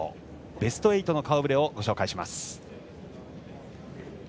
ベスト８の顔ぶれをご紹介します。